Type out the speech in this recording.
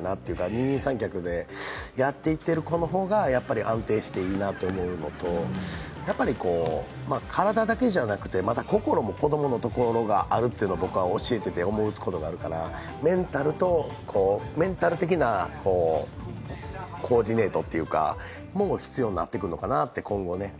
二人三脚でやっていっている子の方が安定していいなと思うのと、体だけじゃなくて、心も子供のところがあるというのが教えてて思うところがあるからメンタル的なコーディネートも必要になってくるのかなと、今後。